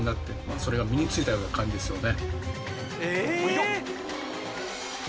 それが身についたような感じですよね。